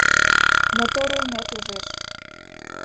Мотор улмет ужеш.